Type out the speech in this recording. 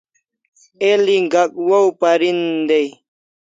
El'i Gak waw parin dai